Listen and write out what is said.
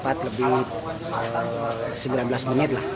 jadi sebelas menit lah